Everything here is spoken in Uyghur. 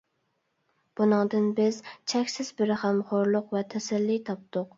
بۇنىڭدىن بىز چەكسىز بىر غەمخورلۇق ۋە تەسەللى تاپتۇق.